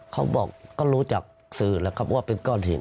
เขาบอกก็รู้จากสื่อแล้วครับว่าเป็นก้อนหิน